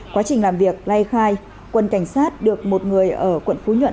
quá trình làm việc lai khai quân cảnh sát được một người ở quận phú nhuận